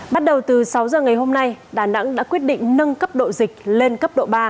bắt đầu từ sáu giờ ngày hôm nay đà nẵng đã quyết định nâng cấp độ dịch lên cấp độ ba